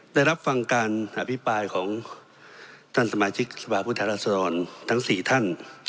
ได้รับฟังการอภิปรายของท่านสมาชิกสภาพผู้แทนรัศดรทั้ง๔ท่าน